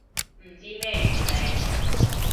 唔知咩原理